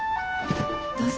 どうぞ。